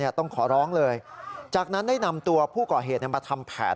ต้องขอร้องเลยจากนั้นได้นำตัวผู้ก่อเหตุมาทำแผน